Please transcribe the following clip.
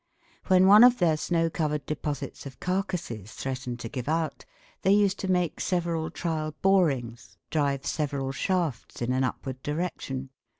When one of their snow covered deposits of carcasses threatened to give out, they used to make several trial borings, drive several shafts in an upward direction.